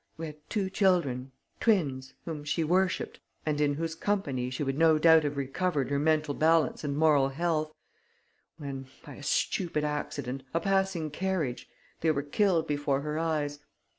We had two children, twins, whom she worshipped and in whose company she would no doubt have recovered her mental balance and moral health, when, by a stupid accident a passing carriage they were killed before her eyes.